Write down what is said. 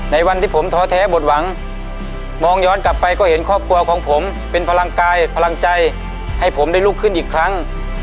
ในวันที่ผมท้อแท้บทหวังมองย้อนกลับไปก็เห็นครอบครัวของผมเป็นพลังกายพลังใจให้ผมได้ลุกขึ้นอีกครั้ง